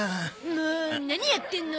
もう何やってんの？